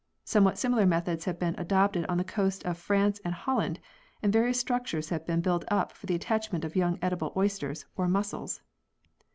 Somewhat similar methods have been adopted on the coasts of France and Holland, and various structures have been built up for the attachment of young edible oysters or mussels.